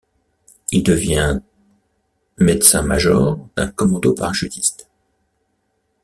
Il devient médecin-major d’un commando parachutiste.